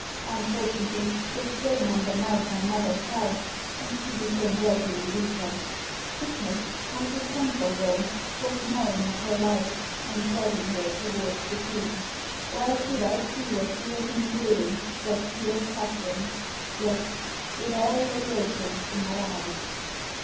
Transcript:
Unfortunately, the strain undermined my mother's health, and she became gradually weaker. Sickness, like a cankerworm, was gnawing at her life, and dragging her towards the tomb. Well could I see what she was enduring, what she was suffering. Yes, it all lay open to my eyes.